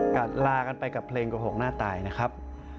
ก็ลากันไปกับเพลงโกหกหน้าตายนะครับ